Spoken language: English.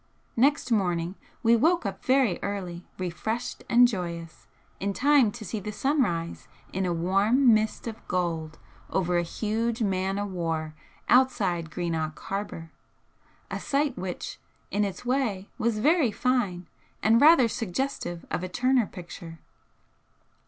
Next morning we woke up very early, refreshed and joyous, in time to see the sun rise in a warm mist of gold over a huge man o' war outside Greenock harbour, a sight which, in its way, was very fine and rather suggestive of a Turner picture.